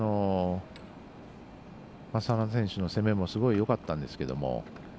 眞田選手の攻めもすごいよかったんですけど。